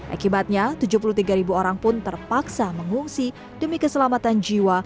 akibatnya tujuh puluh tiga ribu orang pun terpaksa mengungsi demi keselamatan jiwa